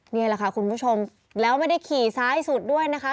นี่แหละค่ะคุณผู้ชมแล้วไม่ได้ขี่ซ้ายสุดด้วยนะคะ